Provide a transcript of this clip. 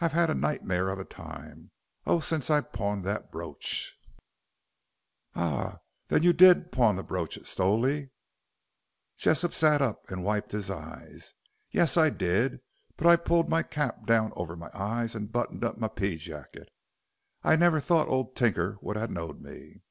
I've had a nightmare of a time. Oh since I pawned that brooch " "Ah. Then you did pawn the brooch at Stowley?" Jessop sat up and wiped his eyes. "Yes, I did. But I pulled my cap down over my eyes and buttoned up my pea jacket. I never thought old Tinker would ha' knowed me."